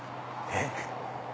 えっ？